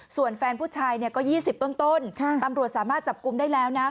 ส่วนแฟนผู้ชายเนี่ยก็๒๐ต้นตำรวจสามารถจับกลุ่มได้แล้วนะ